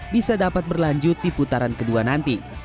bisa dapat berlanjut di putaran kedua nanti